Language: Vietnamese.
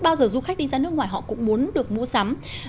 bao giờ du khách đi ra nước ngoài họ cũng muốn được mua sắm